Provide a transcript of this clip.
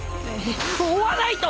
追わないと！